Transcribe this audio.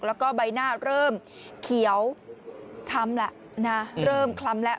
แล้วก็ใบหน้าเริ่มเขียวช้ำแล้วนะเริ่มคล้ำแล้ว